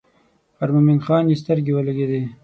پر مومن خان یې سترګې ولګېدې.